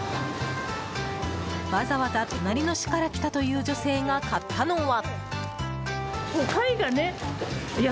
わざわざ隣の市から来たという女性が買ったのは。